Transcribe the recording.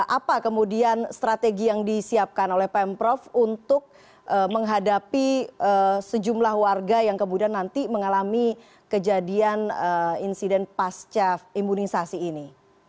apa kemudian strategi yang disiapkan oleh pemprov untuk menghadapi sejumlah warga yang kemudian nanti mengalami kejadian insiden pasca imunisasi ini